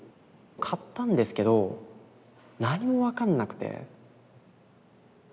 買ったんですけど何も分かんなくて。